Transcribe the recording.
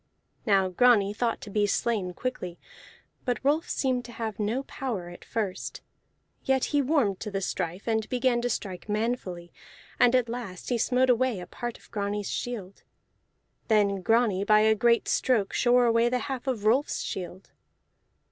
Now Grani thought to be slain quickly; but Rolf seemed to have no power at first; yet he warmed to the strife, and began to strike manfully, and at last he smote away a part of Grani's shield. Then Grani by a great stroke shore away the half of Rolf's shield.